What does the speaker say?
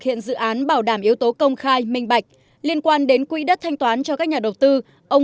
hiện dự án bảo đảm yếu tố công khai minh bạch liên quan đến quỹ đất thanh toán cho các nhà đầu tư ông